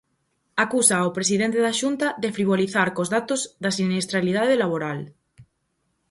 Acusa ao presidente da Xunta de "frivolizar" cos datos da sinistralidade laboral.